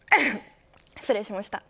失礼しました。